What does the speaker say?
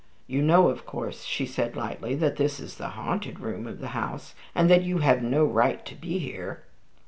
"You know, of course," she said, lightly, "that this is the haunted room of the house, and that you have no right to be here?"